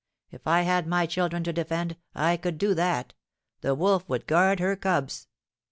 If I had my children to defend, I could do that, the wolf would guard her cubs!"